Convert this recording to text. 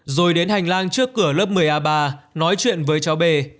rồi đến hành lang trước cửa lớp một mươi a ba nói chuyện với cháu bê